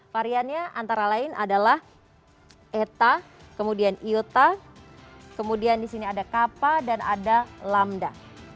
variannya antara lain adalah eta iota kappa dan lambda